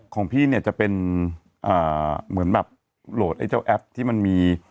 ของพี่เนี่ยจะเป็นเหมือนแบบโหลดไอ้เจ้าแอปที่มันมี